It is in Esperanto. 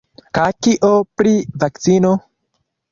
Kaj kio pri vakcino?